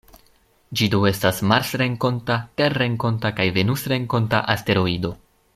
Ĝi do estas marsrenkonta, terrenkonta kaj venusrenkonta asteroido.